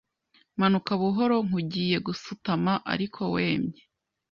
Manuka buhoro nk’ugiye gusutama ariko wemye,